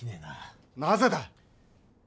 なぜだ！？